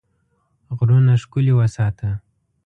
غرونه ښکلي وساته.